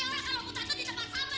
kamu gak pernah didik sama abi